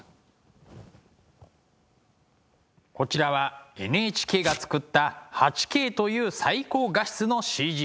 こちらはＮＨＫが作った８Ｋという最高画質のＣＧです。